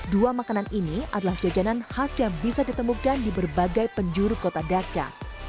dua makanan ini adalah jajanan khas yang bisa ditemukan di berbagai penjuru kota dhaka